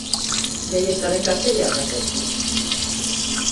Delles tán en castellán dafechu.